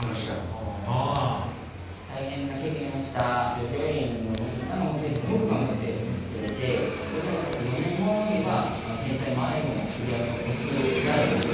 大変な経験をした従業員のみんなが本当にすごく頑張ってくれて工場が建って４年後には震災前の売り上げを超すくらいの業績に。